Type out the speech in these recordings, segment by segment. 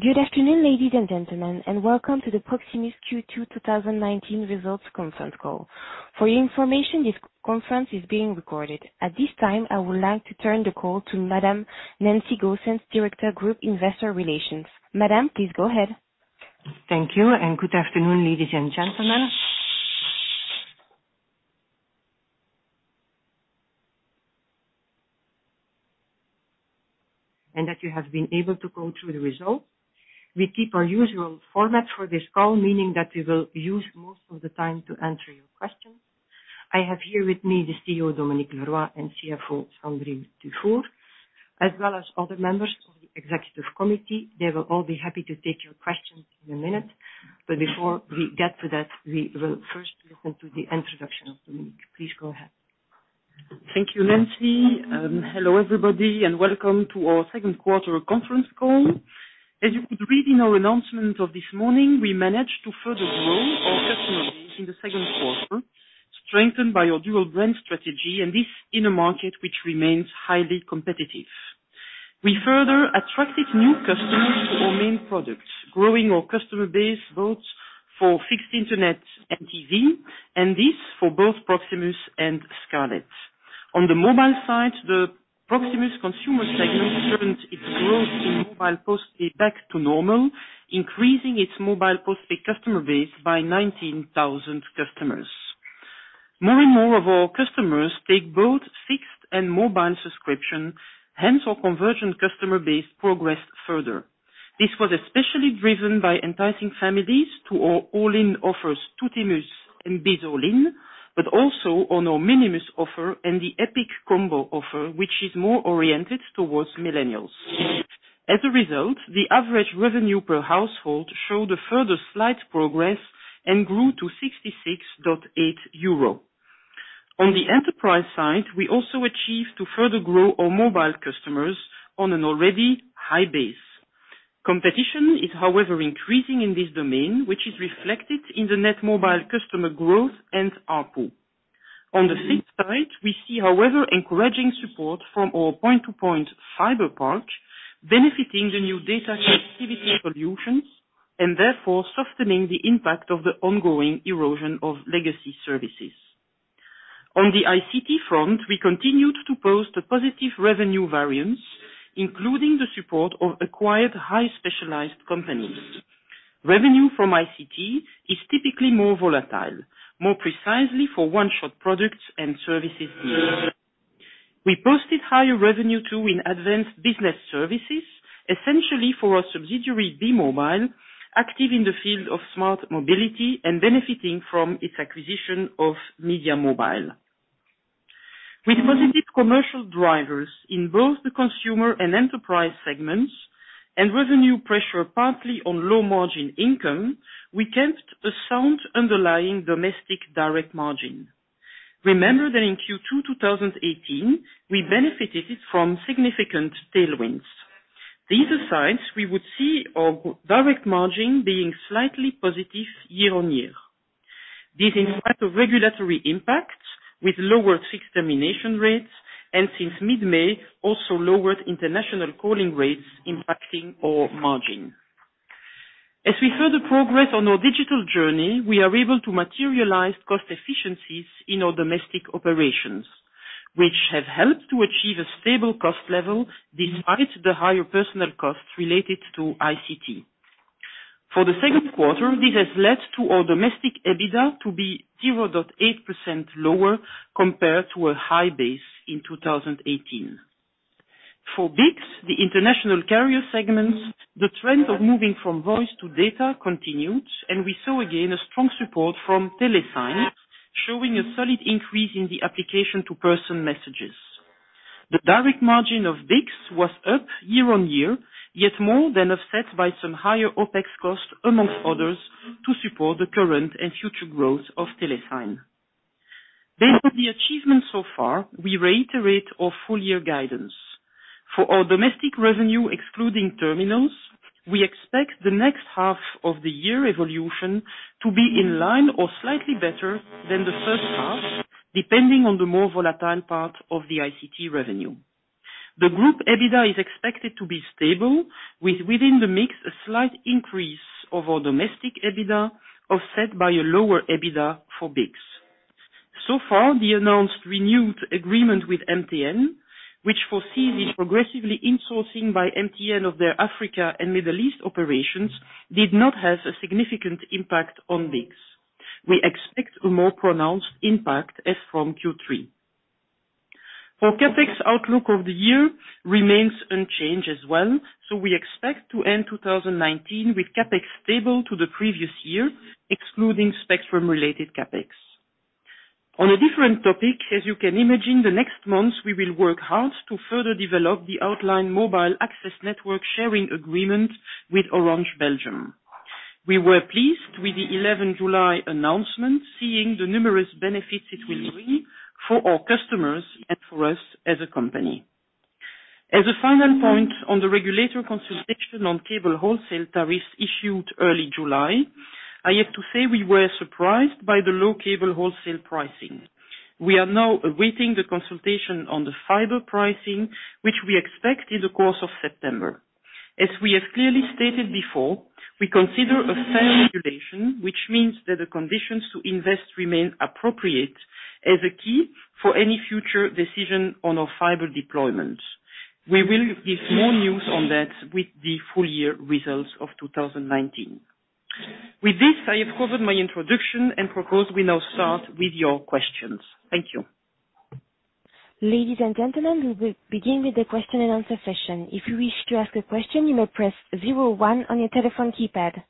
Good afternoon, ladies and gentlemen, and welcome to the Proximus Q2 2019 Results Conference Call. For your information, this conference is being recorded. At this time, I would like to turn the call to Madame Nancy Goossens, Director, Group Investor Relations. Madame, please go ahead. Thank you. Good afternoon, ladies and gentlemen... And that you have been able to go through the results. We keep our usual format for this call, meaning that we will use most of the time to answer your questions. I have here with me the CEO, Dominique Leroy, and CFO, Sandrine Dufour, as well as other members of the executive committee. They will all be happy to take your questions in a minute. Before we get to that, we will first listen to the introduction of Dominique. Please go ahead. Thank you, Nancy. Hello, everybody, and welcome to our Second Quarter Conference Call. As you could read in our announcement of this morning, we managed to further grow our customer base in the second quarter, strengthened by our dual brand strategy, and this in a market which remains highly competitive. We further attracted new customers to our main products, growing our customer base both for fixed internet and TV, and this for both Proximus and Scarlet. On the mobile side, the Proximus consumer segment returned its growth in mobile postpaid back to normal, increasing its mobile postpaid customer base by 19,000 customers. More and more of our customers take both fixed and mobile subscription. Hence, our conversion customer base progressed further. This was especially driven by enticing families to our all-in offers, Tuttimus and Bizz All-in, but also on our Minimus offer and the Epic Combo offer, which is more oriented towards millennials. As a result, the average revenue per household showed a further slight progress and grew to 66.8 euro. On the enterprise side, we also achieved to further grow our mobile customers on an already high base. Competition is, however, increasing in this domain, which is reflected in the net mobile customer growth and ARPU. On the fixed side, we see, however, encouraging support from our point-to-point fiber part, benefiting the new data connectivity solutions, and therefore softening the impact of the ongoing erosion of legacy services. On the ICT front, we continued to post a positive revenue variance, including the support of acquired high specialized companies. Revenue from ICT is typically more volatile, more precisely for one-shot products and services needs. We posted higher revenue too in advanced business services, essentially for our subsidiary, Be-Mobile, active in the field of smart mobility and benefiting from its acquisition of Mediamobile. With positive commercial drivers in both the consumer and enterprise segments and revenue pressure partly on low-margin income, we kept a sound underlying domestic direct margin. Remember that in Q2 2018, we benefited from significant tailwinds. These aside, we would see our direct margin being slightly positive year-over-year. This in spite of regulatory impacts with lower fixed-termination rates, and since mid-May, also lowered international calling rates impacting our margin. As we further progress on our digital journey, we are able to materialize cost efficiencies in our domestic operations, which have helped to achieve a stable cost level despite the higher personal costs related to ICT. For the second quarter, this has led to our domestic EBITDA to be 0.8% lower compared to a high base in 2018. For BICS, the international carrier segment, the trend of moving from voice to data continued, and we saw again a strong support from TeleSign, showing a solid increase in the application-to-person messages. The direct margin of BICS was up year-on-year, yet more than offset by some higher OPEX costs, amongst others, to support the current and future growth of TeleSign. Based on the achievements so far, we reiterate our full-year guidance. For our domestic revenue excluding terminals, we expect the next half of the year evolution to be in line or slightly better than the first half, depending on the more volatile part of the ICT revenue. The group EBITDA is expected to be stable with, within the mix, a slight increase of our domestic EBITDA, offset by a lower EBITDA for BICS. So far, the announced renewed agreement with MTN, which foresees the progressively insourcing by MTN of their Africa and Middle East operations, did not have a significant impact on BICS. We expect a more pronounced impact as from Q3. Our CapEx outlook of the year remains unchanged as well. We expect to end 2019 with CapEx stable to the previous year, excluding spectrum-related CapEx. On a different topic, as you can imagine, the next months we will work hard to further develop the outlined mobile access network sharing agreement with Orange Belgium. We were pleased with the 11 July announcement, seeing the numerous benefits it will bring for our customers and for us as a company. As a final point on the regulator consultation on cable wholesale tariffs issued early July, I have to say, we were surprised by the low cable wholesale pricing. We are now awaiting the consultation on the fiber pricing, which we expect in the course of September. As we have clearly stated before, we consider a fair regulation, which means that the conditions to invest remain appropriate as a key for any future decision on our fiber deployment. We will give more news on that with the full year results of 2019. With this, I have covered my introduction and propose we now start with your questions. Thank you. Ladies and gentlemen, we will begin with the question and answer session. If you wish to ask a question, you may press zero one on your telephone keypad.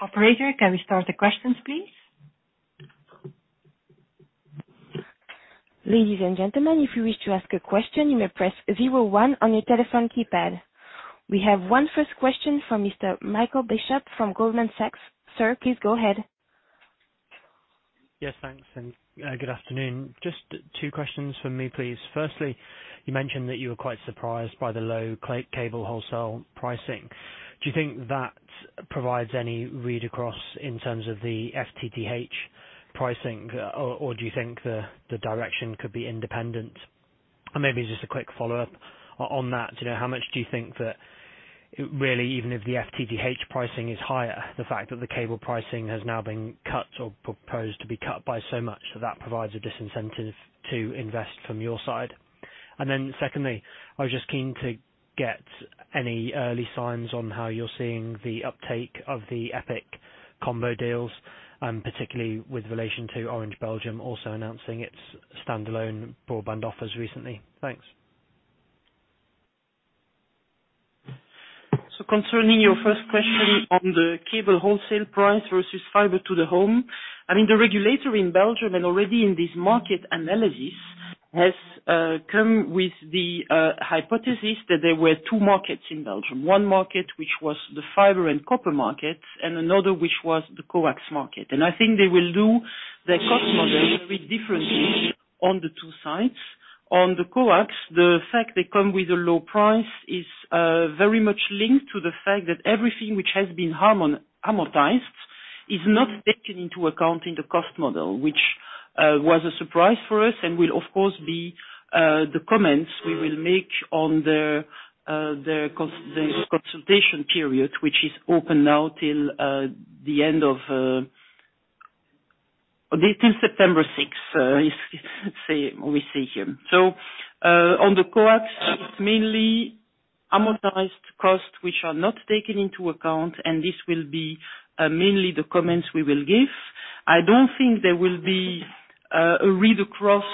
Operator, can we start the questions, please? Ladies and gentlemen, if you wish to ask a question, you may press zero one on your telephone keypad. We have one first question from Mr. Michael Bishop from Goldman Sachs. Sir, please go ahead. Yes, thanks, and good afternoon. Just two questions from me, please. Firstly, you mentioned that you were quite surprised by the low cable wholesale pricing. Do you think that provides any read across in terms of the FTTH pricing, or do you think the direction could be independent? Maybe just a quick follow-up on that, how much do you think that, really, even if the FTTH pricing is higher, the fact that the cable pricing has now been cut or proposed to be cut by so much, that provides a disincentive to invest from your side? Then secondly, I was just keen to get any early signs on how you're seeing the uptake of the Epic Combo deals, particularly with relation to Orange Belgium also announcing its standalone broadband offers recently. Thanks. Concerning your first question on the cable wholesale price versus fiber to the home, the regulator in Belgium and already in this market analysis, has come with the hypothesis that there were two markets in Belgium. One market which was the fiber and copper market, and another which was the coax market. I think they will do their cost model a bit differently on the two sides. On the coax, the fact they come with a low price is very much linked to the fact that everything which has been amortized is not taken into account in the cost model, which was a surprise for us and will of course be the comments we will make on the consultation period, which is open now till September 6th, is what we see here. On the coax, it's mainly amortized costs which are not taken into account, and this will be mainly the comments we will give. I don't think there will be a read across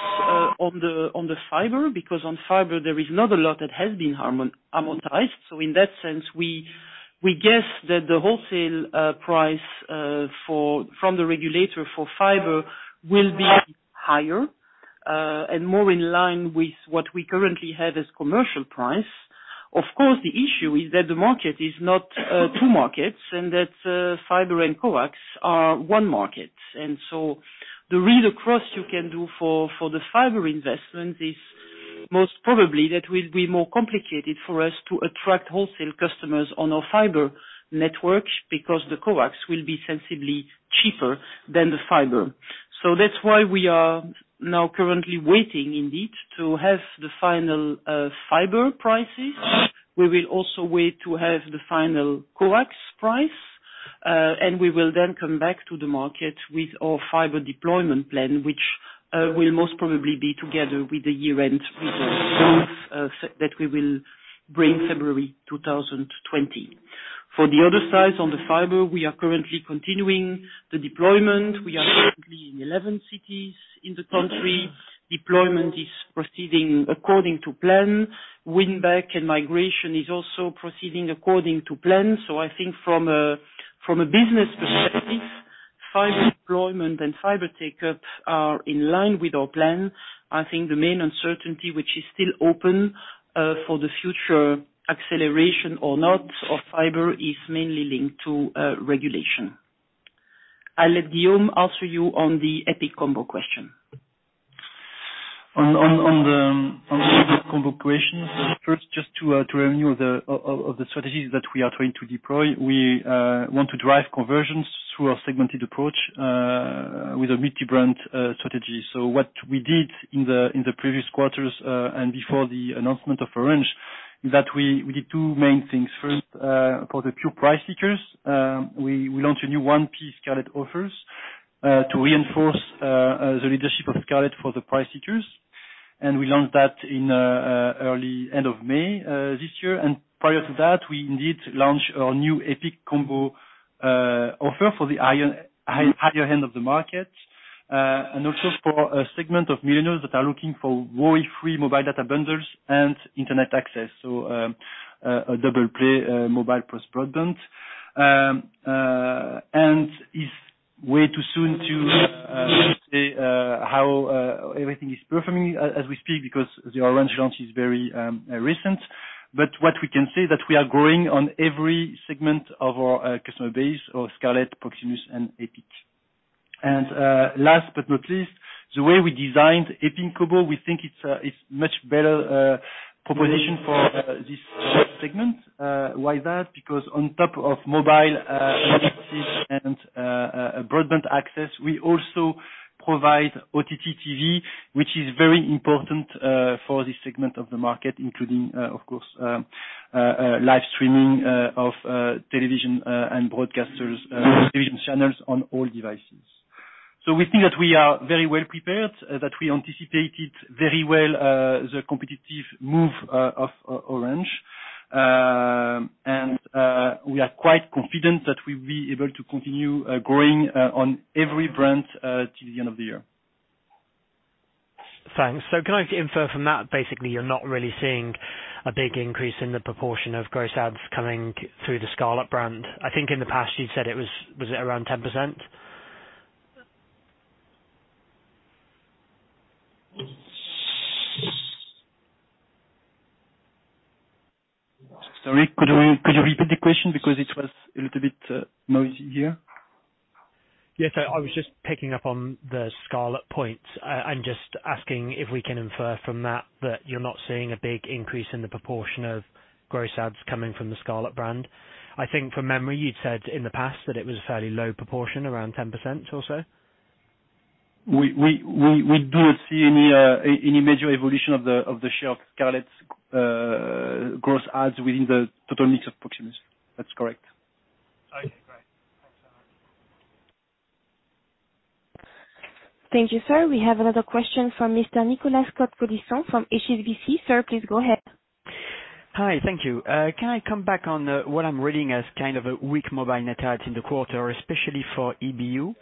on the fiber, because on fiber there is not a lot that has been amortized. In that sense, we guess that the wholesale price from the regulator for fiber will be higher, and more in line with what we currently have as commercial price. Of course, the issue is that the market is not two markets and that fiber and coax are one market. The read across you can do for the fiber investment is most probably that will be more complicated for us to attract wholesale customers on our fiber network because the coax will be sensibly cheaper than the fiber. That's why we are now currently waiting indeed to have the final fiber prices. We will also wait to have the final coax price. We will then come back to the market with our fiber deployment plan, which will most probably be together with the year-end results that we will bring February 2020. For the other side, on the fiber, we are currently continuing the deployment. We are currently in 11 cities in the country. Deployment is proceeding according to plan. Win-back and migration is also proceeding according to plan. I think from a business perspective, fiber deployment and fiber take-up are in line with our plan. I think the main uncertainty, which is still open, for the future acceleration or not of fiber, is mainly linked to regulation. I'll let Guillaume answer you on the Epic Combo question. On the Epic Combo question. First, just to renew of the strategies that we are trying to deploy, we want to drive conversions through our segmented approach, with a multi-brand strategy. What we did in the previous quarters, and before the announcement of Orange, is that we did two main things. First, for the pure price seekers, we launched a new 1P Scarlet offers, to reinforce the leadership of Scarlet for the price seekers. We launched that in early end of May this year. Prior to that, we indeed launched our new Epic Combo offer for the higher end of the market. Also for a segment of millennials that are looking for worry-free mobile data bundles and internet access. A double play mobile plus broadband. It's way too soon to say how everything is performing as we speak because the Orange launch is very recent. What we can say, that we are growing on every segment of our customer base, our Scarlet, Proximus and Epic. Last but not least, the way we designed Epic Combo, we think it's much better proposition for this segment. Why is that? Because on top of mobile and broadband access, we also provide OTT TV, which is very important for this segment of the market, including, of course, live streaming of television and broadcasters, television channels on all devices. We think that we are very well prepared, that we anticipated very well the competitive move of Orange. We are quite confident that we'll be able to continue growing on every brand till the end of the year. Thanks. Can I get info from that? Basically, you're not really seeing a big increase in the proportion of gross adds coming through the Scarlet brand. I think in the past you'd said it was it around 10%? Sorry, could you repeat the question because it was a little bit noisy here. Yes, sir. I was just picking up on the Scarlet point. I'm just asking if we can infer from that you're not seeing a big increase in the proportion of gross adds coming from the Scarlet brand. I think from memory, you'd said in the past that it was a fairly low proportion, around 10% or so. We do not see any major evolution of the share of Scarlet's gross adds within the total mix of Proximus. That's correct. Okay, great. Thanks a lot. Thank you, sir. We have another question from Mr. Nicolas Cote-Colisson from HSBC. Sir, please go ahead. Hi. Thank you. Can I come back on what I'm reading as kind of a weak mobile net adds in the quarter? Especially for EBU,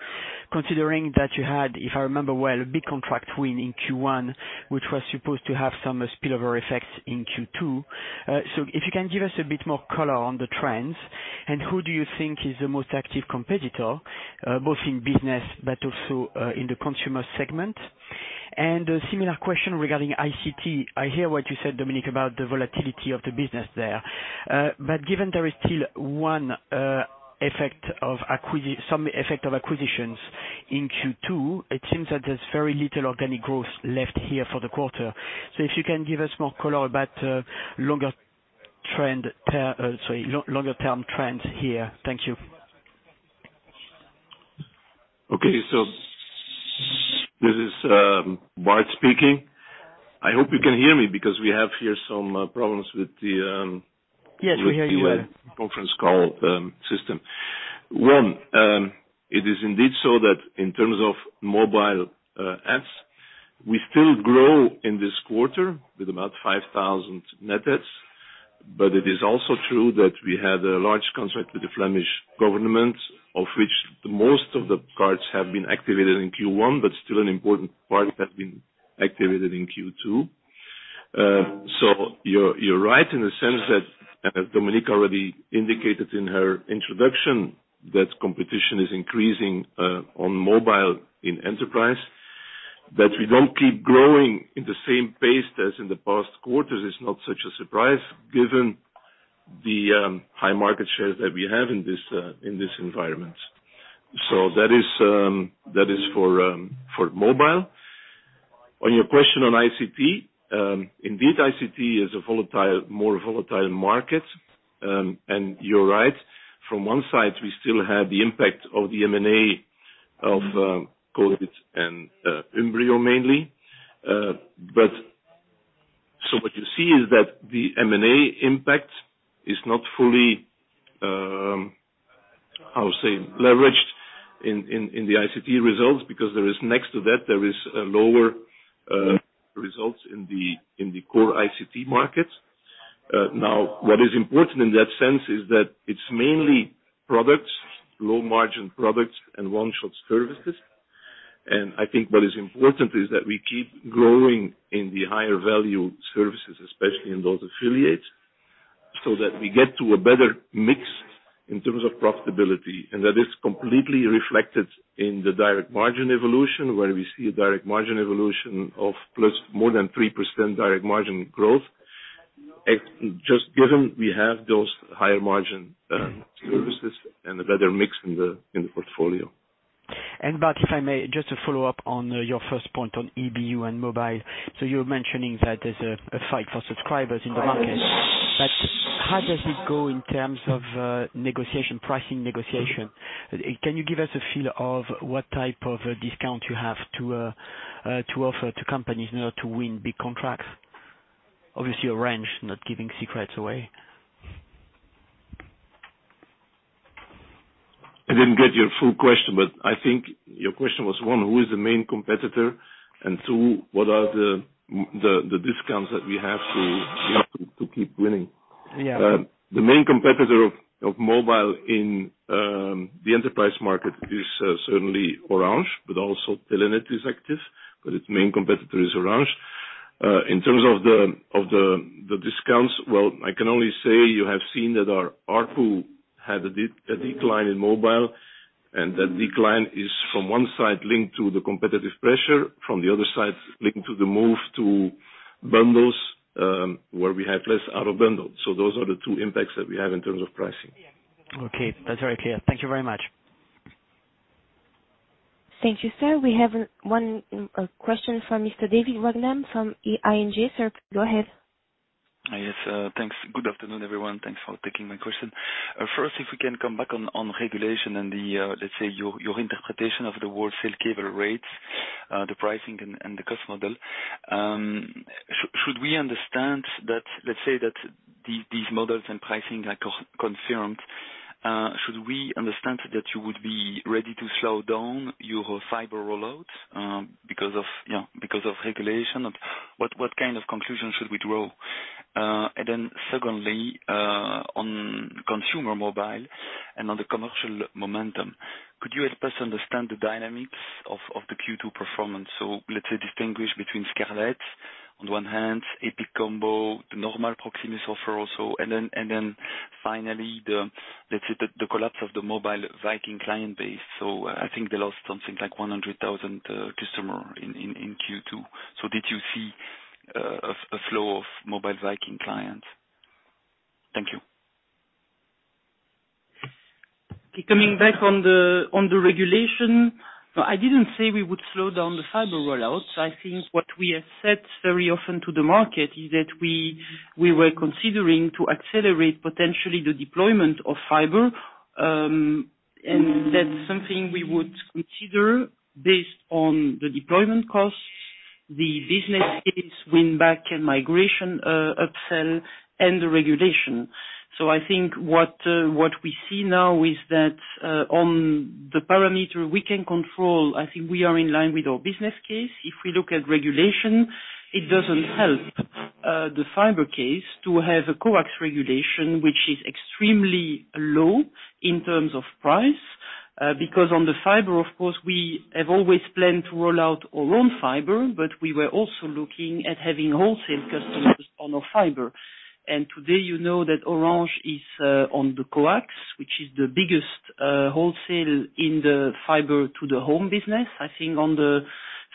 considering that you had, if I remember well, a big contract win in Q1, which was supposed to have some spillover effects in Q2. If you can give us a bit more color on the trends, and who do you think is the most active competitor, both in business but also in the consumer segment? A similar question regarding ICT. I hear what you said, Dominique, about the volatility of the business there. Given there is still some effect of acquisitions in Q2, it seems that there's very little organic growth left here for the quarter. If you can give us more color about longer term trends here. Thank you. Okay. This is Bart speaking. I hope you can hear me because we have here some problems... Yes, we hear you.... Conference call system. It is indeed so that in terms of mobile adds, we still grow in this quarter with about 5,000 net adds. It is also true that we had a large contract with the Flemish government, of which the most of the cards have been activated in Q1, but still an important part has been activated in Q2. You're right in the sense that Dominique already indicated in her introduction that competition is increasing on mobile in enterprise, that we don't keep growing in the same pace as in the past quarters is not such a surprise given the high market shares that we have in this environment. That is for mobile. On your question on ICT. Indeed, ICT is a more volatile market. You're right. From one side, we still have the impact of the M&A of Codit and Umbrio mainly. What you see is that the M&A impact is not fully, how say, leveraged in the ICT results because next to that, there is lower results in the core ICT markets. What is important in that sense is that it's mainly products, low margin products and one-shot services. I think what is important is that we keep growing in the higher value services, especially in those affiliates, so that we get to a better mix in terms of profitability, and that is completely reflected in the direct margin evolution, where we see a direct margin evolution of plus more than 3% direct margin growth. Just given we have those higher margin services and a better mix in the portfolio. Bart, if I may, just to follow up on your first point on EBU and mobile. You're mentioning that there's a fight for subscribers in the market. How does it go in terms of pricing negotiation? Can you give us a feel of what type of discount you have to offer to companies in order to win big contracts? Obviously, a range, not giving secrets away. I didn't get your full question, but I think your question was, one, who is the main competitor? Two, what are the discounts that we have to offer to keep winning? Yeah. The main competitor of mobile in the enterprise market is certainly Orange, but also Telenet is active, but its main competitor is Orange. In terms of the discounts, well, I can only say you have seen that our ARPU had a decline in mobile, and that decline is from one side linked to the competitive pressure, from the other side linked to the move to bundles where we have less out of bundle. Those are the two impacts that we have in terms of pricing. Okay. That's very clear. Thank you very much. Thank you, sir. We have one question from Mr. David Vagman from ING. Sir, go ahead. Yes. Thanks. Good afternoon, everyone. Thanks for taking my question. If we can come back on regulation and, let's say, your interpretation of the wholesale cable rates, the pricing and the cost model. Let's say that these models and pricing are confirmed, should we understand that you would be ready to slow down your fiber rollouts because of regulation? What kind of conclusion should we draw? Secondly, on consumer mobile and on the commercial momentum, could you help us understand the dynamics of the Q2 performance? Let's say distinguish between Scarlet, on one hand, Epic Combo, the normal Proximus offer also. Finally, let's say the collapse of the Mobile Vikings client base. I think they lost something like 100,000 customer in Q2. Did you see a flow of Mobile Vikings clients? Thank you. Coming back on the regulation, I didn't say we would slow down the fiber rollout. I think what we have said very often to the market is that we were considering to accelerate potentially the deployment of fiber. That's something we would consider based on the deployment costs, the business case, win-back and migration upsell, and the regulation. I think what we see now is that on the parameter we can control, I think we are in line with our business case. If we look at regulation, it doesn't help the fiber case to have a coax regulation which is extremely low in terms of price. On the fiber, of course, we have always planned to roll out our own fiber, but we were also looking at having wholesale customers on our fiber. Today you know that Orange is on the coax, which is the biggest wholesale in the fiber to the home business. I think on the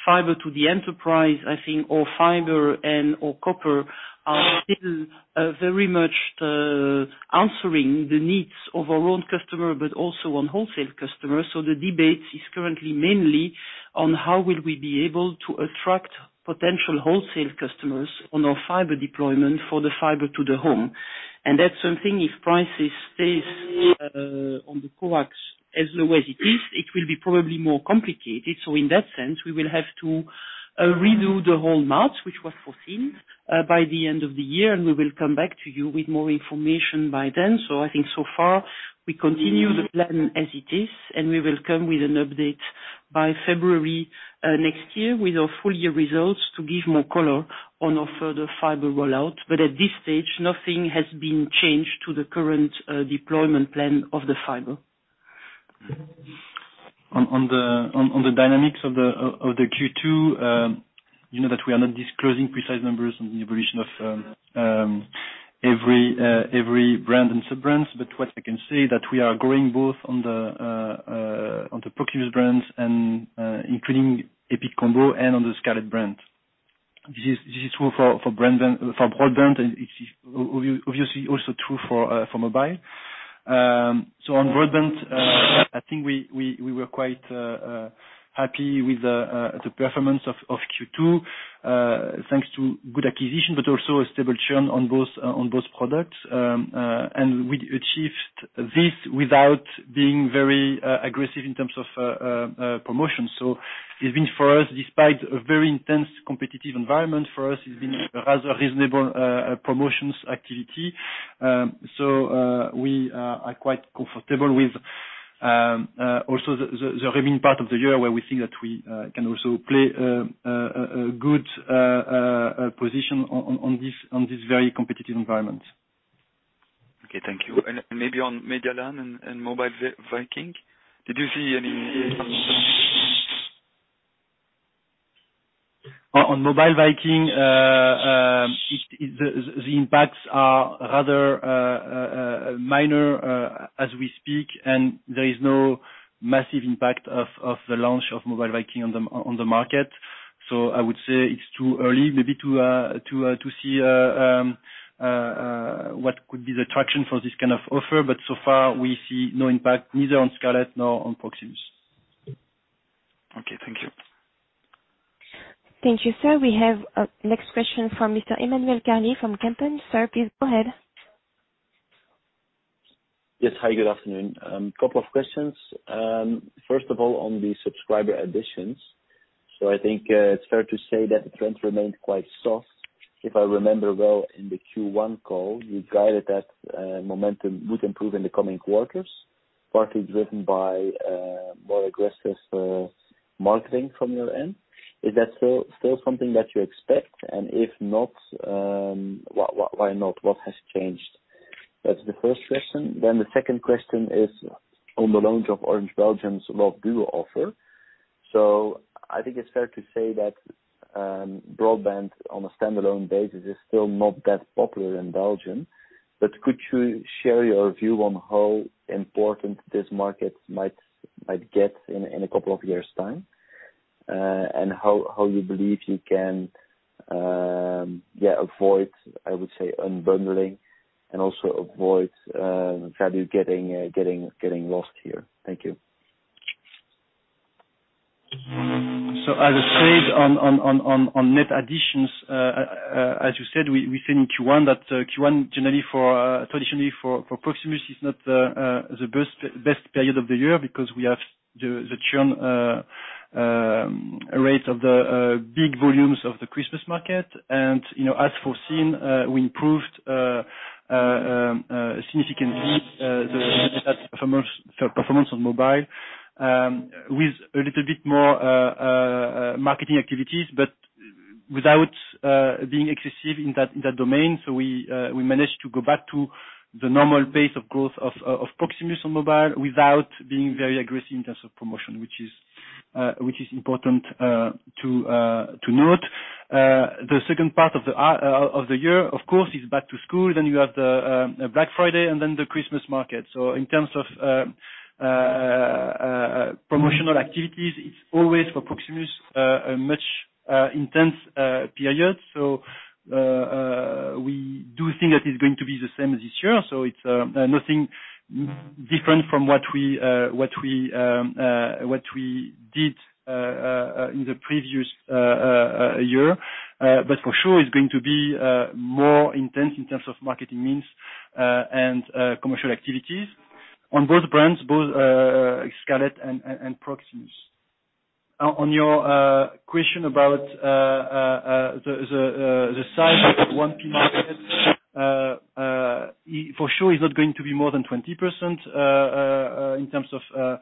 fiber to the enterprise, I think our fiber and our copper are still very much answering the needs of our own customer but also on wholesale customers. The debate is currently mainly on how will we be able to attract potential wholesale customers on our fiber deployment for the fiber to the home. That's something, if prices stay on the coax as low as it is, it will be probably more complicated. In that sense, we will have to redo the whole math, which was foreseen by the end of the year, and we will come back to you with more information by then. I think so far we continue the plan as it is, and we will come with an update by February next year with our full-year results to give more color on our further fiber rollout. At this stage, nothing has been changed to the current deployment plan of the fiber. On the dynamics of the Q2, you know that we are not disclosing precise numbers on the evolution of every brand and sub-brands. What I can say is that we are growing both on the Proximus brands and including Epic Combo and on the Scarlet brand. This is true for broadband, and it's obviously also true for mobile. On broadband, I think we were quite happy with the performance of Q2, thanks to good acquisition but also a stable churn on both products. We achieved this without being very aggressive in terms of promotion. Despite a very intense competitive environment, for us, it's been a rather reasonable promotions activity. We are quite comfortable with also the remaining part of the year where we think that we can also play a good position on this very competitive environment. Okay. Thank you. Maybe on Medialaan and Mobile Vikings, did you see any impact? On Mobile Vikings, the impacts are rather minor as we speak. There is no massive impact of the launch of Mobile Vikings on the market. I would say it's too early maybe to see what could be the traction for this kind of offer. So far we see no impact neither on Scarlet nor on Proximus. Okay. Thank you. Thank you, sir. We have next question from Mr. Emmanuel Carlier from Kempen. Sir, please go ahead. Yes. Hi, good afternoon. Couple of questions. First of all, on the subscriber additions. I think it's fair to say that the trends remained quite soft. If I remember well in the Q1 call, you guided that momentum would improve in the coming quarters, partly driven by more aggressive marketing from your end. Is that still something that you expect? If not, why not? What has changed? That's the first question. The second question is on the launch of Orange Belgium's Love Duo offer. I think it's fair to say that broadband on a standalone basis is still not that popular in Belgium. Could you share your view on how important this market Might get in a couple of years' time. How you believe you can avoid, I would say, unbundling and also avoid value getting lost here. Thank you. As I said, on net additions, as you said, we think Q1 traditionally for Proximus is not the best period of the year because we have the churn rate of the big volumes of the Christmas market. As foreseen, we improved significantly the performance on mobile with a little bit more marketing activities, but without being excessive in that domain. We managed to go back to the normal pace of growth of Proximus on mobile without being very aggressive in terms of promotion, which is important to note. The second part of the year, of course, is back to school. You have the Black Friday and then the Christmas Market. In terms of promotional activities, it's always for Proximus a much intense period. We do think that it's going to be the same this year. It's nothing different from what we did in the previous year. For sure it's going to be more intense in terms of marketing means and commercial activities on both brands, both Scarlet and Proximus. On your question about the size of the 1P market, for sure it's not going to be more than 20% in terms of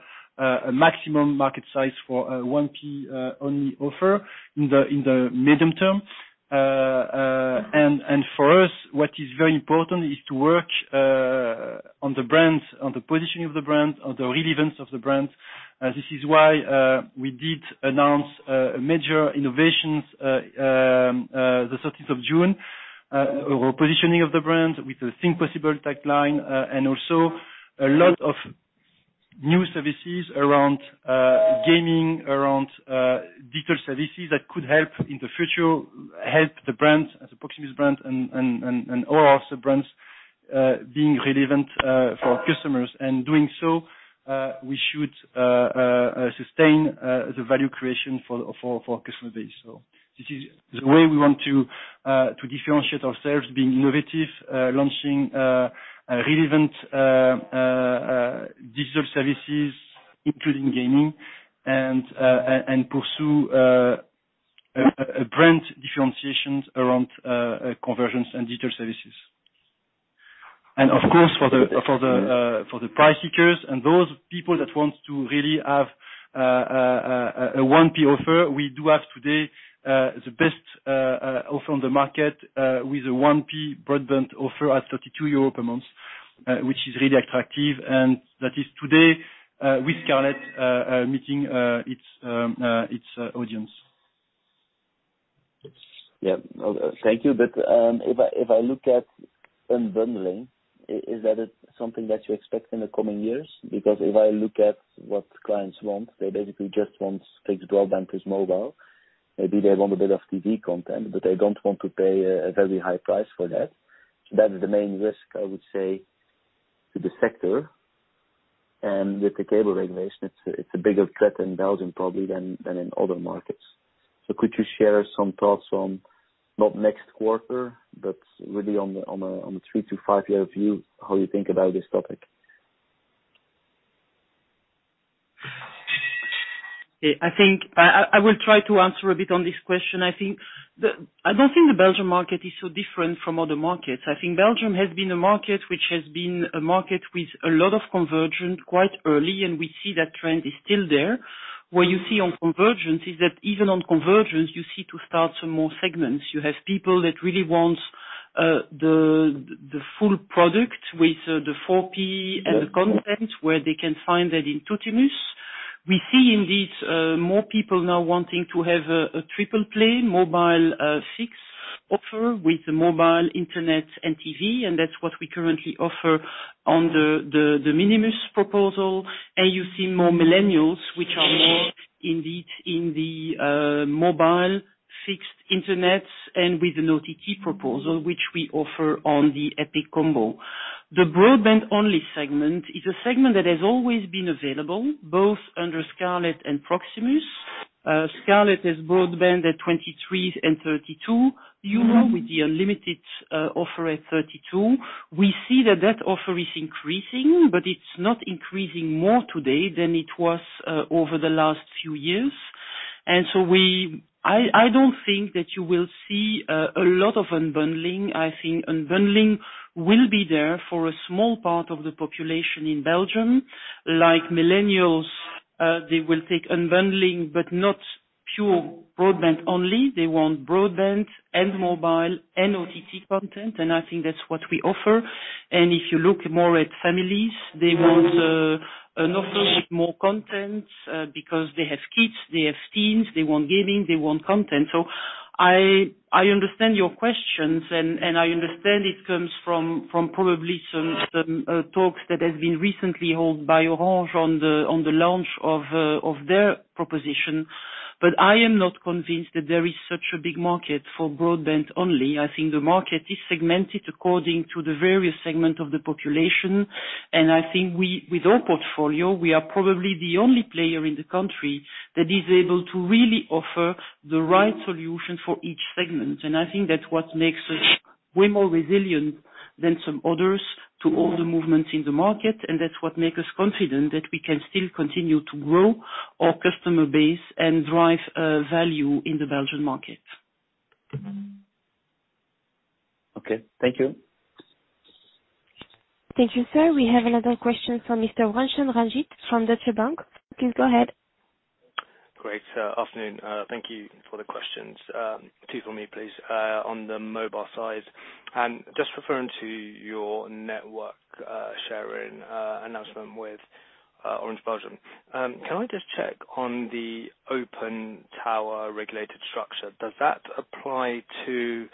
maximum market size for a 1P only offer in the medium term. For us, what is very important is to work on the positioning of the brand, on the relevance of the brand. This is why we did announce major innovations the 13th of June, repositioning of the brand with the Think Possible tagline, and also a lot of new services around gaming, around digital services that could help in the future, help the Proximus brand and all of the brands being relevant for our customers. Doing so, we should sustain the value creation for our customer base. This is the way we want to differentiate ourselves, being innovative, launching relevant digital services, including gaming, and pursue brand differentiations around conversions and digital services. Of course, for the price seekers and those people that want to really have a 1P offer, we do have today the best offer on the market with a 1P broadband offer at 32 euro per month, which is really attractive, and that is today with Scarlet meeting its audience. Yeah. Thank you. If I look at unbundling, is that something that you expect in the coming years? If I look at what clients want, they basically just want fixed broadband, plus mobile. Maybe they want a bit of TV content, but they don't want to pay a very high price for that. That is the main risk, I would say, to the sector. With the cable regulation, it's a bigger threat in Belgium probably than in other markets. Could you share some thoughts on, not next quarter, but really on the three to five-year view, how you think about this topic? I will try to answer a bit on this question. I don't think the Belgium market is so different from other markets. I think Belgium has been a market which has been a market with a lot of convergence quite early. We see that trend is still there. What you see on convergence is that even on convergence, you seek to start some more segments. You have people that really want the full product with the 4P and the content where they can find that in Tuttimus. We see indeed more people now wanting to have a triple-play mobile fixed offer with the mobile internet and TV. That's what we currently offer on the Minimus proposal. You see more millennials who are more indeed in the mobile fixed internet and with an OTT proposal, which we offer on the Epic Combo. The broadband-only segment is a segment that has always been available, both under Scarlet and Proximus. Scarlet has broadband at 23 and 32 euro with the unlimited offer at 32. We see that that offer is increasing, but it's not increasing more today than it was over the last few years. I don't think that you will see a lot of unbundling. I think unbundling will be there for a small part of the population in Belgium. Millennials will take unbundling, but not pure broadband only. They want broadband and mobile and OTT content, and I think that's what we offer. If you look more at families, they want an offer with more content because they have kids, they have teens, they want gaming, they want content. I understand your questions and I understand it comes from probably some talks that have been recently held by Orange on the launch of their proposition. I am not convinced that there is such a big market for broadband only. I think the market is segmented according to the various segment of the population. I think with our portfolio, we are probably the only player in the country that is able to really offer the right solution for each segment. I think that's what makes us way more resilient than some others to all the movements in the market. That's what make us confident that we can still continue to grow our customer base and drive value in the Belgian market. Okay. Thank you. Thank you, sir. We have another question from Mr. Roshan Ranjit from Deutsche Bank. Please go ahead. Great. Afternoon. Thank you for the questions. Two for me, please. On the mobile side, just referring to your network sharing announcement with Orange Belgium. Can I just check on the open tower regulated structure, does that apply to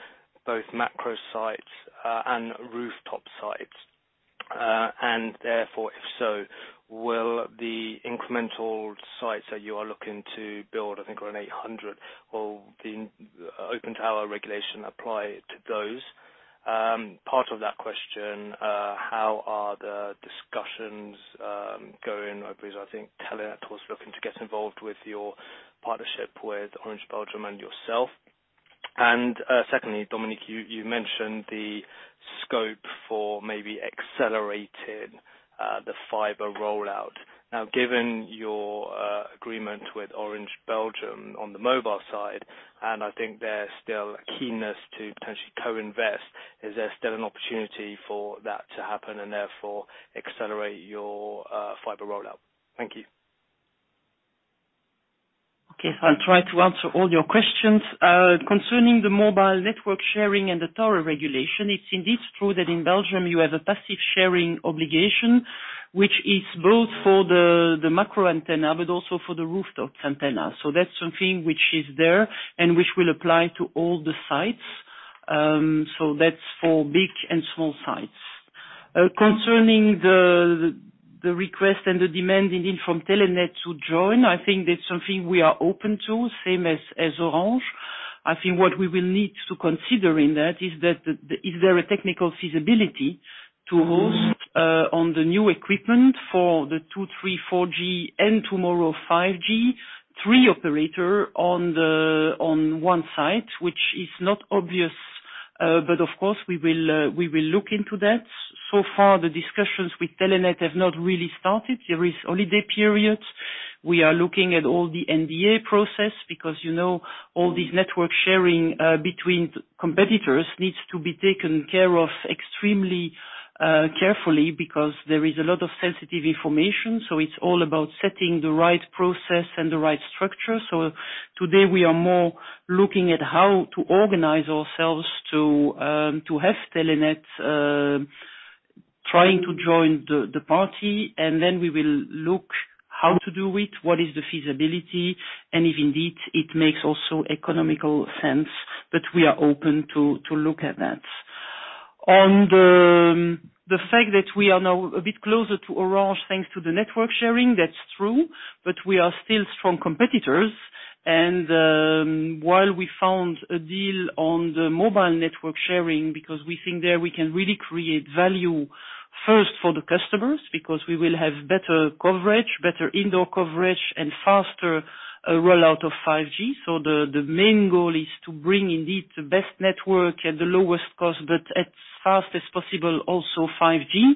both macro sites and rooftop sites? Therefore, if so, will the incremental sites that you are looking to build, I think around 800, will the open tower regulation apply to those? Part of that question, how are the discussions going? I think Telenet was looking to get involved with your partnership with Orange Belgium and yourself. Secondly, Dominique, you mentioned the scope for maybe accelerating the fiber rollout. Given your agreement with Orange Belgium on the mobile side, and I think there's still a keenness to potentially co-invest, is there still an opportunity for that to happen and therefore accelerate your fiber rollout? Thank you. Okay. I'll try to answer all your questions. Concerning the mobile network sharing and the tower regulation, it's indeed true that in Belgium you have a passive sharing obligation, which is both for the macro antenna, but also for the rooftop antenna. That's something which is there and which will apply to all the sites. That's for big and small sites. Concerning the request and the demand, indeed, from Telenet to join, I think that's something we are open to, same as Orange. I think what we will need to consider in that is that, is there a technical feasibility to host on the new equipment for the 2G, 3G, 4G and tomorrow 5G, three operator on one site, which is not obvious. Of course we will look into that. So far, the discussions with Telenet have not really started. There is holiday periods. We are looking at all the NDA process because all this network sharing between competitors needs to be taken care of extremely carefully because there is a lot of sensitive information. It's all about setting the right process and the right structure. Today we are more looking at how to organize ourselves to have Telenet trying to join the party, and then we will look how to do it, what is the feasibility, and if indeed it makes also economical sense. We are open to look at that. On the fact that we are now a bit closer to Orange, thanks to the network sharing, that's true, but we are still strong competitors. While we found a deal on the mobile network sharing, because we think there we can really create value first for the customers, because we will have better coverage, better indoor coverage, and faster rollout of 5G. The main goal is to bring indeed the best network at the lowest cost, but as fast as possible, also 5G.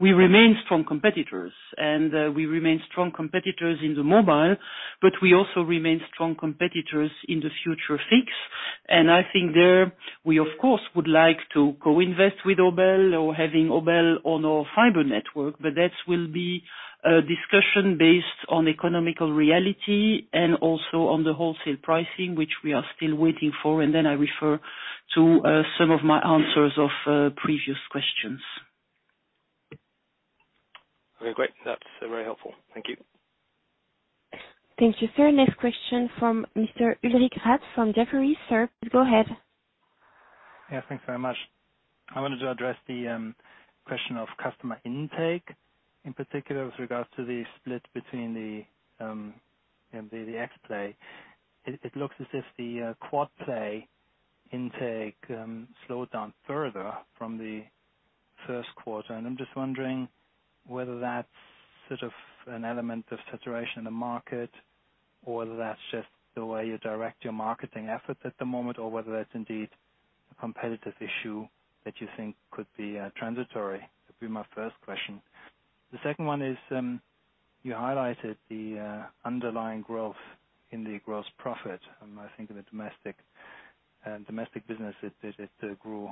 We remain strong competitors, and we remain strong competitors in the mobile, but we also remain strong competitors in the future fixed. I think there, we of course would like to co-invest with Obel or having Obel on our fiber network, but that will be a discussion based on economical reality and also on the wholesale pricing, which we are still waiting for. I refer to some of my answers of previous questions. Okay, great. That's very helpful. Thank you. Thank you, sir. Next question from Mr. Ulrich Rathe from Jefferies. Sir, please go ahead. Yeah, thanks very much. I wanted to address the question of customer intake, in particular with regards to the split between the Xplay. It looks as if the quad-play intake slowed down further from the first quarter. I'm just wondering whether that's an element of saturation in the market or whether that's just the way you direct your marketing efforts at the moment, or whether that's indeed a competitive issue that you think could be transitory. That'd be my first question. The second one is, you highlighted the underlying growth in the gross profit. I think in the domestic business, it grew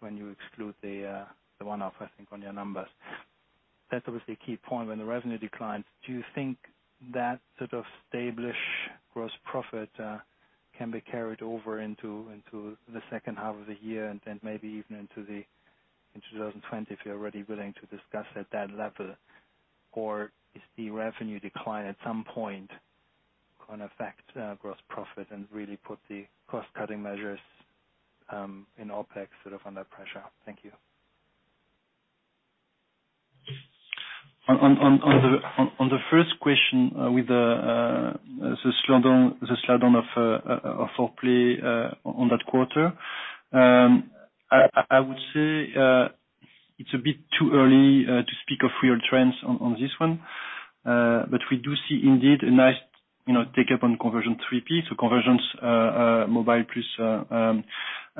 when you exclude the one-off, I think, on your numbers. That's obviously a key point when the revenue declines. Do you think that sort of stable gross profit can be carried over into the second half of the year and then maybe even into 2020, if you're already willing to discuss at that level? Or, is the revenue decline at some point going to affect gross profit and really put the cost-cutting measures in OpEx under pressure? Thank you. On the first question with the slowdown of 4P on that quarter, I would say it's a bit too early to speak of real trends on this one. We do see indeed a nice take-up on convergent 3P. Convergence mobile plus a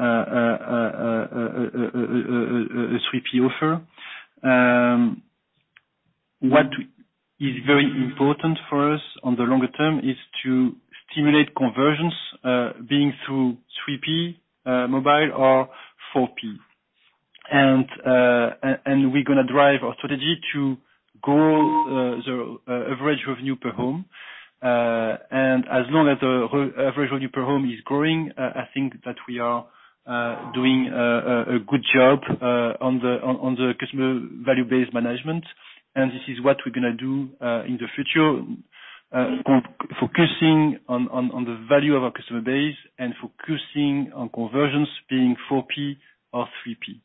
3P offer. What is very important for us on the longer term is to stimulate convergence, being through 3P mobile or 4P. We're going to drive our strategy to grow the average revenue per home. As long as the average revenue per home is growing, I think that we are doing a good job on the customer value-based management. This is what we're going to do in the future, focusing on the value of our customer base and focusing on convergence being 4P or 3P.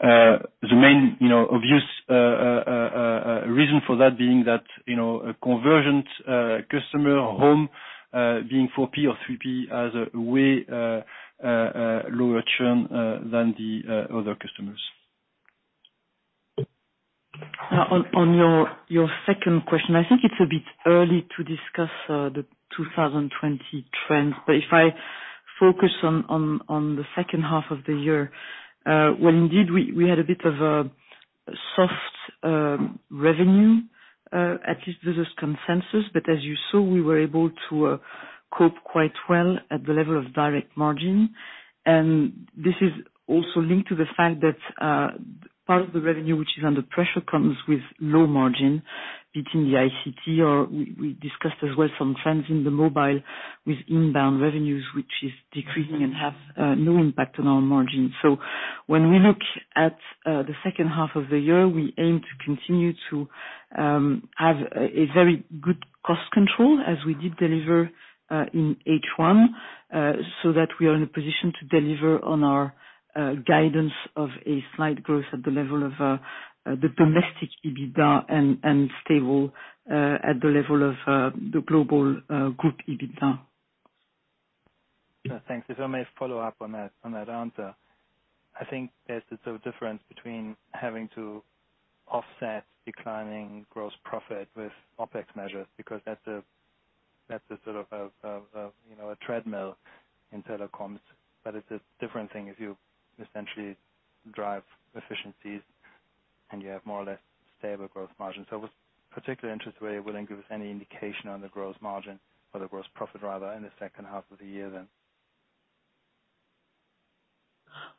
The main obvious reason for that being that a convergent customer home being 4P or 3P has a way lower churn than the other customers. On your second question, I think it's a bit early to discuss the 2020 trends. If I focus on the second half of the year, well indeed we had a bit of a soft revenue, at least this is consensus. As you saw, we were able to cope quite well at the level of direct margin. This is also linked to the fact that part of the revenue which is under pressure comes with low margin between the ICT or we discussed as well some trends in the mobile with inbound revenues, which is decreasing and have no impact on our margin. When we look at the second half of the year, we aim to continue to have a very good cost control as we did deliver in H1, so that we are in a position to deliver on our guidance of a slight growth at the level of the domestic EBITDA and stable at the level of the global group EBITDA. Thanks. If I may follow up on that answer. I think there's a difference between having to offset declining gross profit with OpEx measures because that's a sort of a treadmill in telecoms. It's a different thing if you essentially drive efficiencies and you have more or less stable gross margin. I was particularly interested whether you were going to give us any indication on the gross margin or the gross profit rather in the second half of the year then.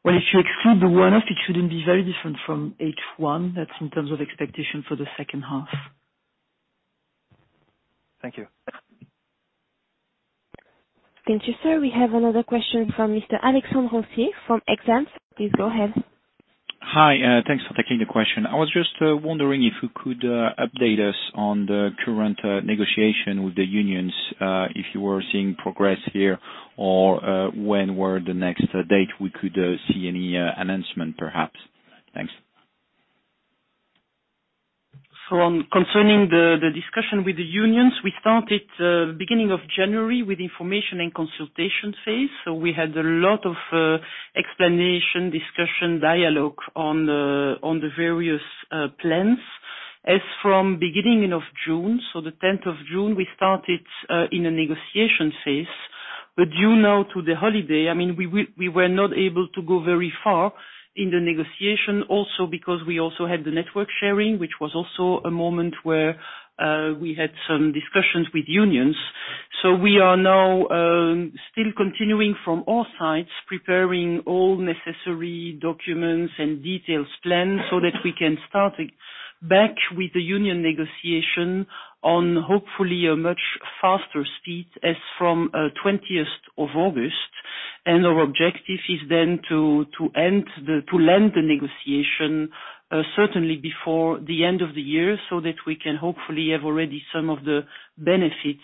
Well, if you exclude the one-off, it shouldn't be very different from H1. That's in terms of expectation for the second half. Thank you. Thank you, sir. We have another question from Mr. Alexandre Roncier from Exane. Please go ahead. Hi. Thanks for taking the question. I was just wondering if you could update us on the current negotiation with the unions, if you were seeing progress here or when were the next date we could see any announcement, perhaps. Thanks. Concerning the discussion with the unions, we started beginning of January with information and consultation phase. We had a lot of explanation, discussion, dialogue on the various plans. As from beginning of June. The 10th of June, we started in a negotiation phase. You know, due to the holiday, we were not able to go very far in the negotiation also because we also had the network sharing, which was also a moment where we had some discussions with unions. We are now still continuing from all sides, preparing all necessary documents and details plan so that we can start back with the union negotiation on hopefully a much faster speed as from 20th of August. Our objective is then to end the negotiation certainly before the end of the year, so that we can hopefully have already some of the benefits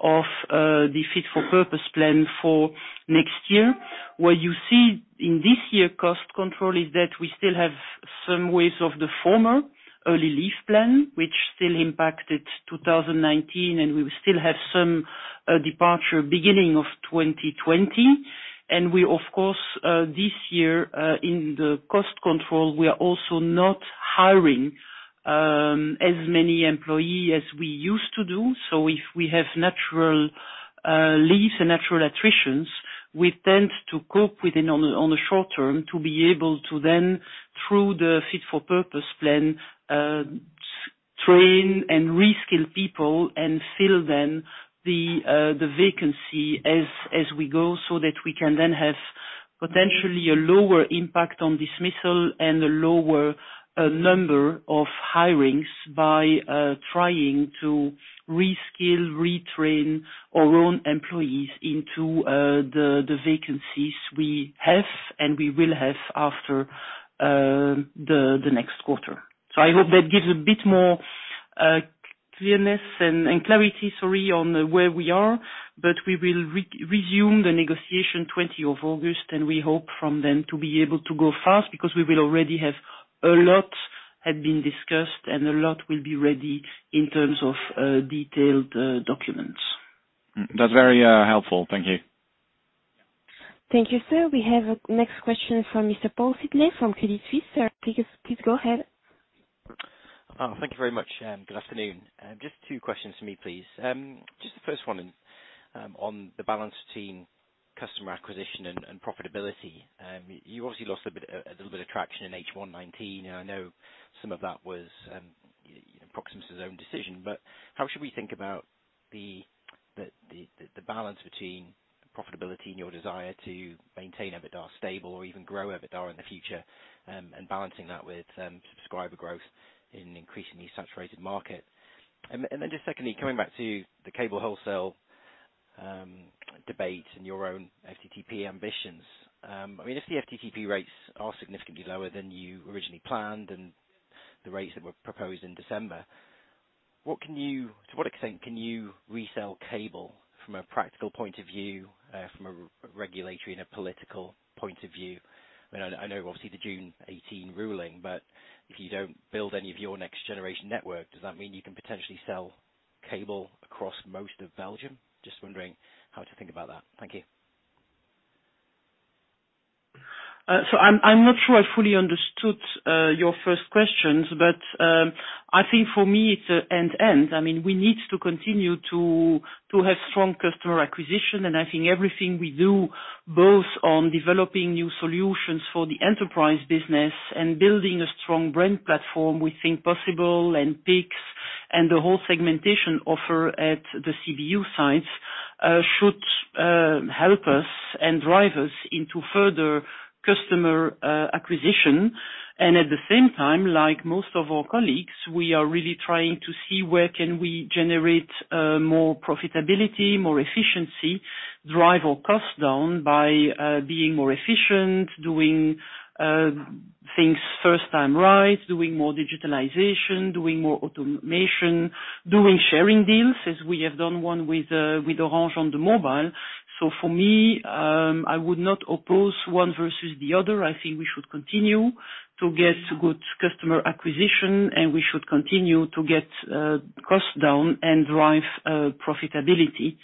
of the Fit for Purpose Plan for next year. What you see in this year cost control is that we still have some ways of the former Early Leave Plan, which still impacted 2019, and we will still have some departure beginning of 2020. We, of course, this year, in the cost control, we are also not hiring as many employee as we used to do. If we have natural leaves and natural attritions, we tend to cope with it on the short term to be able to then, through the fit for purpose plan, train and reskill people and fill then the vacancy as we go so that we can then have potentially a lower impact on dismissal and a lower number of hirings by trying to reskill, retrain our own employees into the vacancies we have and we will have after the next quarter. I hope that gives a bit more Clearness and clarity, sorry, on where we are. We will resume the negotiation 20 of August, and we hope from then to be able to go fast, because we will already have a lot had been discussed, and a lot will be ready in terms of detailed documents. That's very helpful. Thank you. Thank you, sir. We have next question from Mr. Paul Sidney from Credit Suisse. Sir, please go ahead. Thank you very much, and good afternoon. Just two questions from me, please. Just the first one, on the balance between customer acquisition and profitability. You obviously lost a little bit of traction in H1-19, and I know some of that was Proximus' own decision, but how should we think about the balance between profitability and your desire to maintain EBITDA stable or even grow EBITDA in the future, and balancing that with subscriber growth in an increasingly saturated market? Just secondly, coming back to the cable wholesale debate and your own FTTP ambitions. If the FTTP rates are significantly lower than you originally planned and the rates that were proposed in December, to what extent can you resell cable from a practical point of view, from a regulatory and a political point of view? I know we'll see the June 18 ruling. If you don't build any of your next generation network, does that mean you can potentially sell cable across most of Belgium? Just wondering how to think about that. Thank you. I'm not sure I fully understood your first questions, I think for me, it's an and-and. We need to continue to have strong customer acquisition, I think everything we do, both on developing new solutions for the enterprise business and building a strong brand platform, Think Possible and Pickx, and the whole segmentation offer at the CBU should help us and drive us into further customer acquisition. At the same time, like most of our colleagues, we are really trying to see where can we generate more profitability, more efficiency, drive our costs down by being more efficient, doing things first time right, doing more digitalization, doing more automation, doing sharing deals as we have done one with Orange on the mobile. For me, I would not oppose one versus the other. I think we should continue to get good customer acquisition, and we should continue to get cost down and drive profitability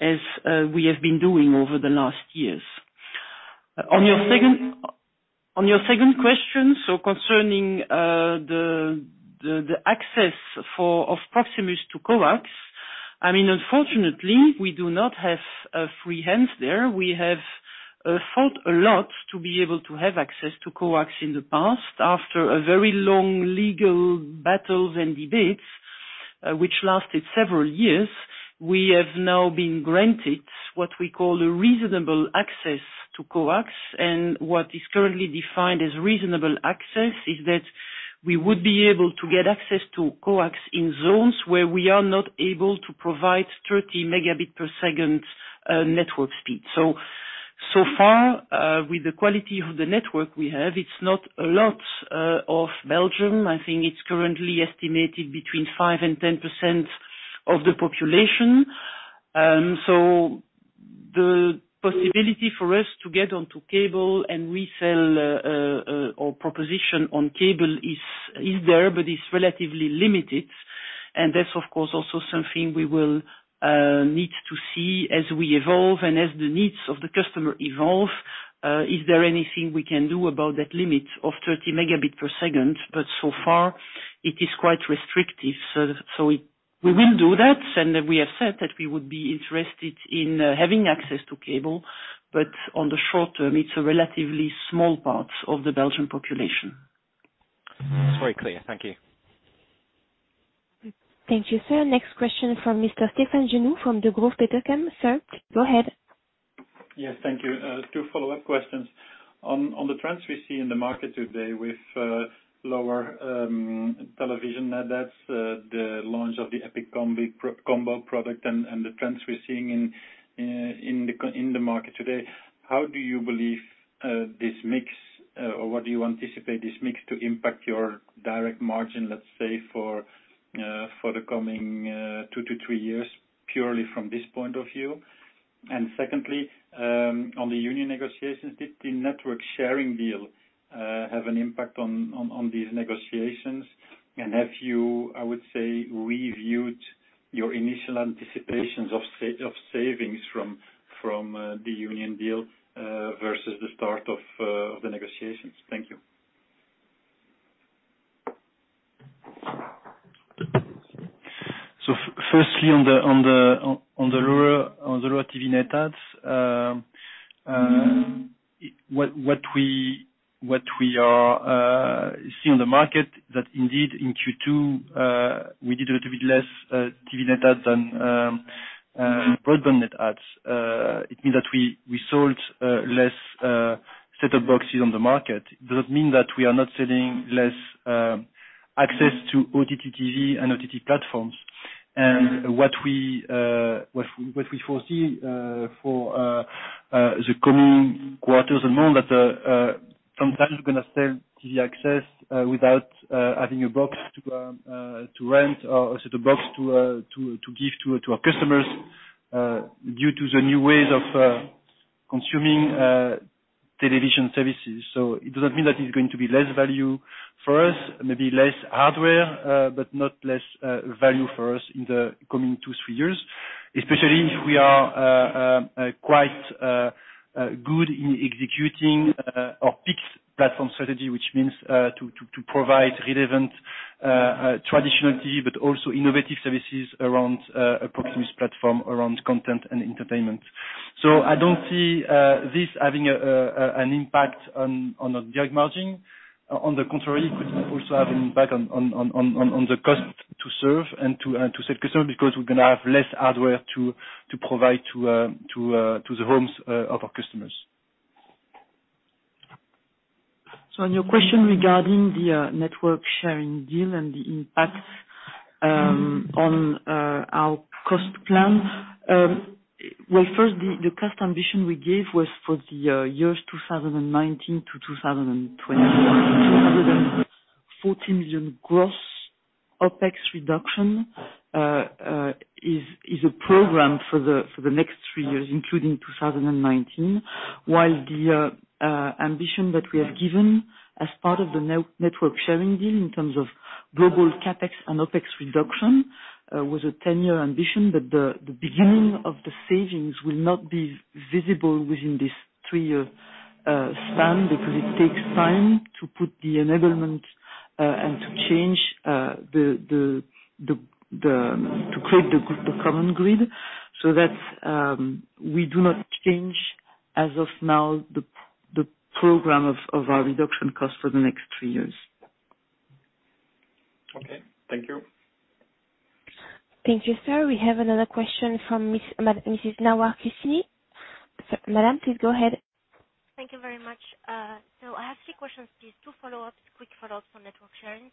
as we have been doing over the last years. On your second question, so concerning the access of Proximus to Coax. Unfortunately, we do not have free hands there. We have fought a lot to be able to have access to Coax in the past after a very long legal battles and debates, which lasted several years. We have now been granted what we call a reasonable access to Coax. What is currently defined as reasonable access is that we would be able to get access to Coax in zones where we are not able to provide 30 Mb per second network speed. So far, with the quality of the network we have, it's not a lot of Belgium. I think it's currently estimated between 5%-10% of the population. The possibility for us to get onto cable and resell our proposition on cable is there, but it's relatively limited. That's of course, also something we will need to see as we evolve and as the needs of the customer evolve. Is there anything we can do about that limit of 30 Mb per second? So far it is quite restrictive. We will do that. We have said that we would be interested in having access to cable, but on the short term, it's a relatively small part of the Belgian population. It's very clear. Thank you. Thank you, sir. Next question from Mr. Stefaan Genoe from Degroof Petercam. Sir, go ahead. Yes. Thank you. Two follow-up questions. On the trends we see in the market today with lower television net adds, the launch of the Epic Combo product, and the trends we're seeing in the market today, how do you believe this mix, or what do you anticipate this mix to impact your direct margin, let's say for the coming two to three years, purely from this point of view? Secondly, on the union negotiations, did the network sharing deal have an impact on these negotiations? Have you, I would say, reviewed your initial anticipations of savings from the union deal versus the start of the negotiations? Thank you. Firstly, on the lower TV net adds. What we see on the market that indeed in Q2, we did a little bit less TV net adds than broadband net adds. It means that we sold less set-top boxes on the market. It does not mean that we are not selling less access to OTT TV and OTT platforms. What we foresee for the coming quarters and months at the... Sometimes we're going to sell TV access without adding a box to rent or a set-top box to give to our customers, due to the new ways of consuming television services. It doesn't mean that it's going to be less value for us, maybe less hardware, but not less value for us in the coming two, three years. Especially if we are quite good in executing our fixed platform strategy, which means to provide relevant traditional TV, but also innovative services around a Proximus platform, around content and entertainment. I don't see this having an impact on the EBITDA margin. On the contrary, it could also have an impact on the cost to serve and to serve customers, because we're going to have less hardware to provide to the homes of our customers. On your question regarding the network sharing deal and the impact on our cost plan. First, the cost ambition we gave was for the years 2019 to 2021. 240 million gross OPEX reduction is a program for the next three years, including 2019, while the ambition that we have given as part of the network sharing deal in terms of global CapEx and OPEX reduction, was a 10-year ambition. The beginning of the savings will not be visible within this three-year span, because it takes time to put the enablement and to create the common grid. That, we do not change, as of now, the program of our reduction cost for the next three years. Okay. Thank you. Thank you, sir. We have another question from Miss Nawal Kissi. Madam, please go ahead. Thank you very much. I have three questions, please. Two quick follow-ups on network sharing.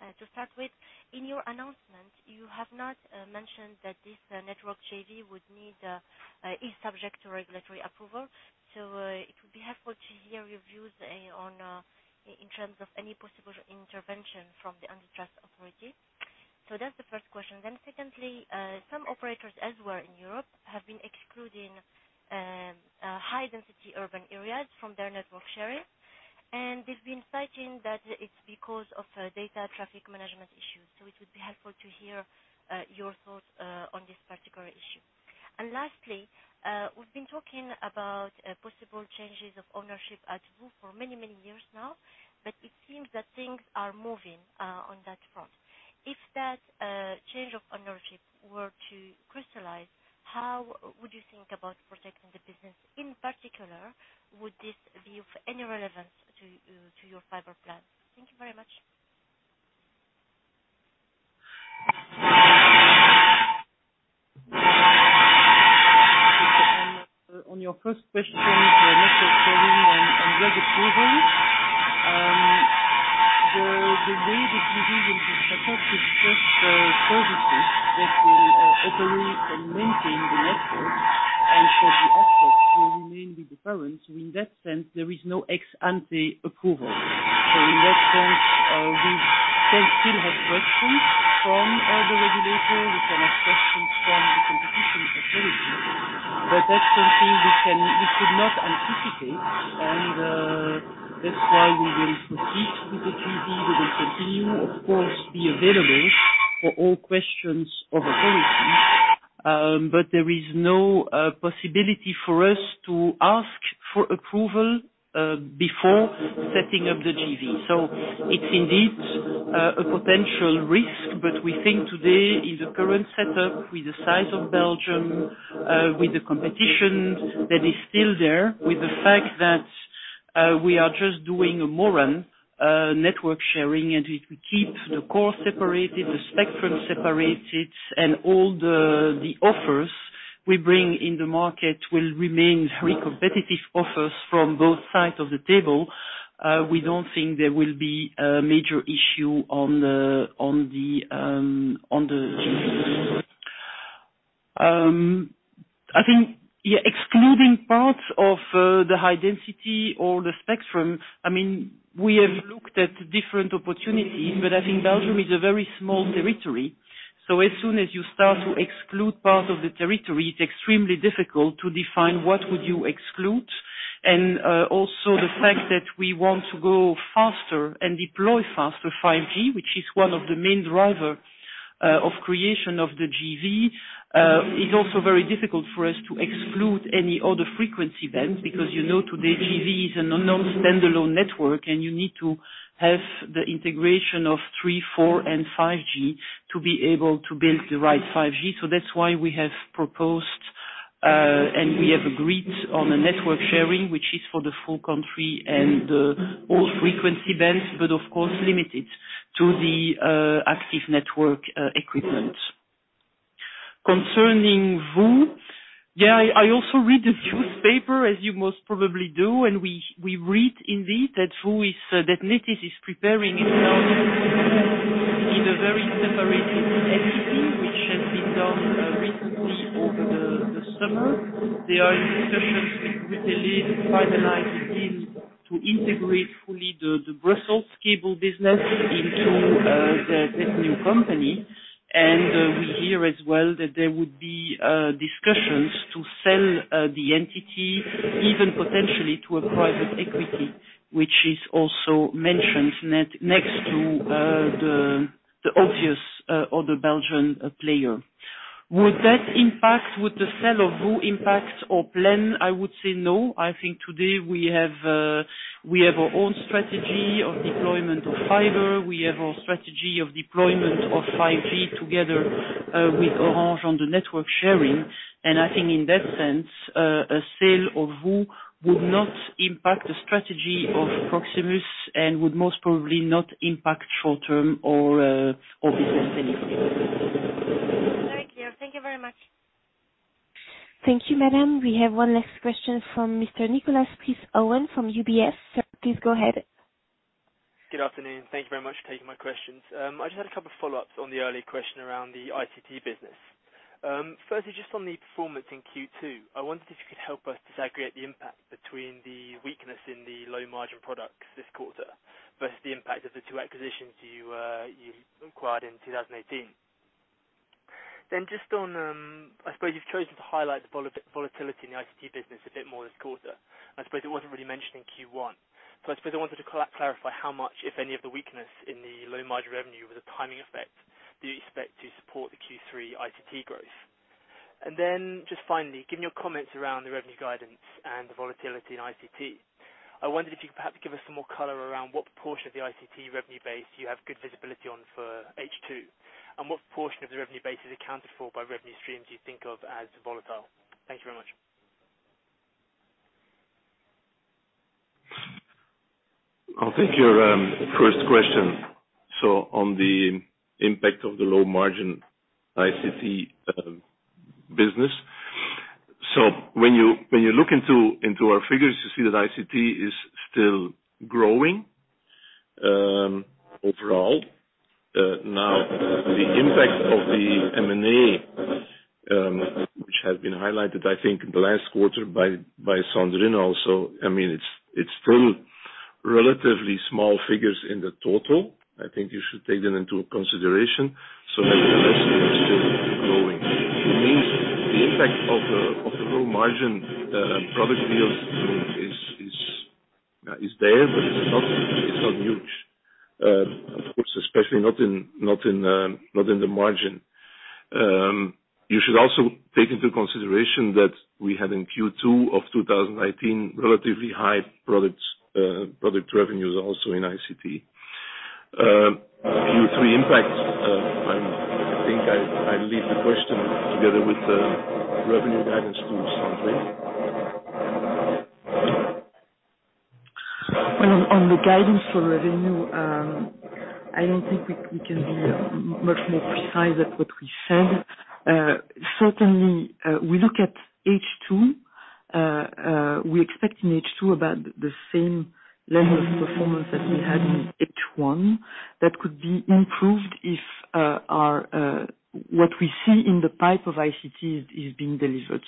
To start with, in your announcement, you have not mentioned that this network JV is subject to regulatory approval. It would be helpful to hear your views in terms of any possible intervention from the antitrust authorities. That's the first question. Secondly, some operators elsewhere in Europe have been excluding high-density urban areas from their network sharing, and they've been citing that it's because of data traffic management issues. It would be helpful to hear your thoughts on this particular issue. Lastly, we've been talking about possible changes of ownership at VOO for many years now, but it seems that things are moving on that front. If that change of ownership were to crystallize, how would you think about protecting the business? In particular, would this be of any relevance to your fiber plan? Thank you very much. On your first question, the network sharing and regulatory approval. The way the JV will be set up is first services that will operate and maintain the network. The assets will remain with the parents. In that sense, there is no ex-ante approval. In that sense, we can still have questions from the regulator. We can have questions from the Competition Authority. That's something we could not anticipate. That's why we will proceed with the JV. We will continue, of course, to be available for all questions of authorities. There is no possibility for us to ask for approval before setting up the JV. It's indeed a potential risk. We think today in the current setup, with the size of Belgium, with the competition that is still there, with the fact that we are just doing a MORAN network sharing and we keep the core separated, the spectrum separated, and all the offers we bring in the market will remain very competitive offers from both sides of the table. We don't think there will be a major issue on the JV. I think, yeah, excluding parts of the high density or the spectrum, we have looked at different opportunities, but I think Belgium is a very small territory. As soon as you start to exclude part of the territory, it's extremely difficult to define what would you exclude. Also the fact that we want to go faster and deploy faster 5G, which is one of the main driver of creation of the JV. It's also very difficult for us to exclude any other frequency bands because you know today, JV is a standalone network, and you need to have the integration of 3G, 4G, and 5G to be able to build the right 5G. That's why we have proposed, and we have agreed on a network sharing, which is for the full country and all frequency bands, but of course limited to the active network equipment. Concerning. Yeah, I also read the newspaper as you most probably do, and we read indeed that VOO is, that Nethys is preparing itself in a very separated entity, which has been done recently over the summer. There are discussions with Brutélé to finalize a deal to integrate fully the Brussels cable business into this new company. We hear as well that there would be discussions to sell the entity even potentially to a private equity, which is also mentioned next to the obvious other Belgian player. Would the sell of VOO impact our plan? I would say no. I think today we have our own strategy of deployment of fiber. We have our strategy of deployment of 5G together with Orange on the network sharing. I think in that sense, a sale of VOO would not impact the strategy of Proximus and would most probably not impact short-term or business significantly. Very clear. Thank you very much. Thank you, madam. We have one last question from Mr. Nicholas Prys-Owen from UBS. Sir, please go ahead. Good afternoon. Thank you very much for taking my questions. I just had a couple of follow-ups on the earlier question around the ICT business. Firstly, just on the performance in Q2, I wondered if you could help us disaggregate the impact between the weakness in the low-margin products this quarter versus the impact of the two acquisitions you acquired in 2018. Just on, I suppose you've chosen to highlight the volatility in the ICT business a bit more this quarter. I suppose it wasn't really mentioned in Q1. I suppose I wanted to clarify how much, if any, of the weakness in the low margin revenue was a timing effect. Do you expect to support the Q3 ICT growth? Just finally, given your comments around the revenue guidance and the volatility in ICT, I wondered if you could perhaps give us some more color around what portion of the ICT revenue base you have good visibility on for H2, and what portion of the revenue base is accounted for by revenue streams you think of as volatile. Thank you very much. I'll take your first question. On the impact of the low-margin ICT business. When you look into our figures, you see that ICT is still growing overall. Now, the impact of the M&A, which has been highlighted, I think, last quarter by Sandrine also, it is still relatively small figures in the total. I think you should take that into consideration. Nevertheless, we are still growing. It means the impact of the low-margin product deals is there, but it is not huge. Of course, especially not in the margin. You should also take into consideration that we had in Q2 of 2019, relatively high product revenues also in ICT. Q3 impact, I think I leave the question together with the revenue guidance to Sandrine. On the guidance for revenue, I don't think we can be much more precise at what we said. Certainly, we look at H2. We expect in H2 about the same level of performance that we had in H1. That could be improved if what we see in the pipe of ICT is being delivered.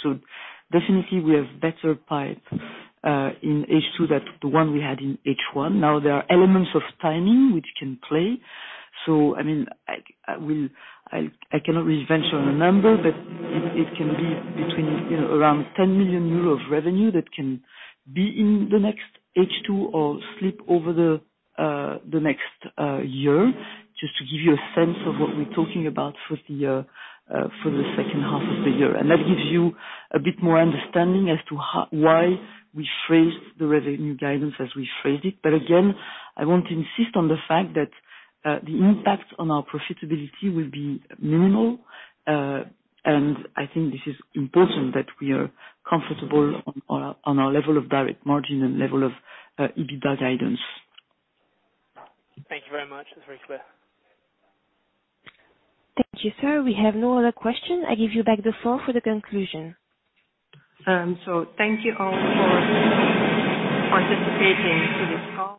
Definitely we have better pipe in H2 than the one we had in H1. Now, there are elements of timing which can play. I cannot really venture on a number, but it can be between around 10 million euros of revenue that can be in the next H2 or slip over the next year. Just to give you a sense of what we're talking about for the second half of the year. That gives you a bit more understanding as to why we phrased the revenue guidance as we phrased it. Again, I want to insist on the fact that the impact on our profitability will be minimal, and I think this is important that we are comfortable on our level of direct margin and level of EBITDA guidance. Thank you very much. That's very clear. Thank you, sir. We have no other question. I give you back the floor for the conclusion. Thank you all for participating to this call.